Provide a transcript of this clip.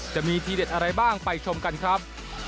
จะมีทีเด็ดอะไรบ้างไปชมกันครับ